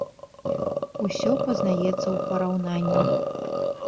Усё пазнаецца ў параўнанні.